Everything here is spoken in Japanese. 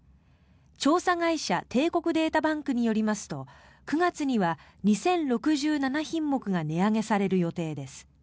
調査会社帝国データバンクによりますと９月には２０６７品目が値上げされる予定です。